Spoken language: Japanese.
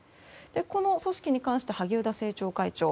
この組織に関して萩生田政調会長。